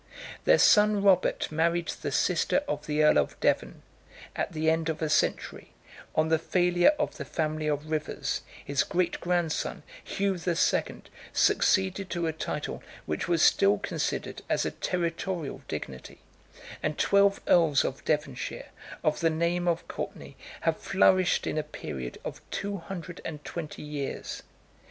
Their son Robert married the sister of the earl of Devon: at the end of a century, on the failure of the family of Rivers, 84 his great grandson, Hugh the Second, succeeded to a title which was still considered as a territorial dignity; and twelve earls of Devonshire, of the name of Courtenay, have flourished in a period of two hundred and twenty years.